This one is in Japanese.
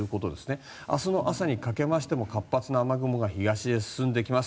明日の朝にかけて活発な雨雲が東に進んでいきます。